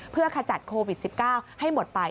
เพื่อขจัดโควิด๑๙ให้หมดไป